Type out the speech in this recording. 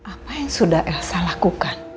apa yang sudah elsa lakukan